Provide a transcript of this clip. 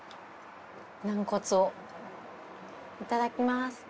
軟骨をいただきます。